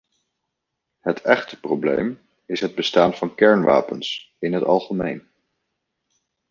Het echte probleem is het bestaan van kernwapens in het algemeen.